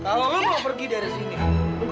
kalau lu mau pergi dari sini lu kasih gue dua ratus ribu